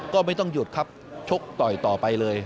ก็ไม่ต้องหยุดครับชกต่อยต่อไปเลย